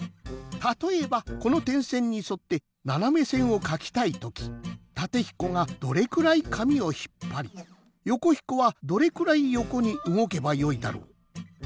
たとえばこのてんせんにそってななめせんをかきたいときタテひこがどれくらい紙をひっぱりヨコひこはどれくらいよこにうごけばよいだろう？